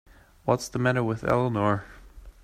What's the matter with Eleanor?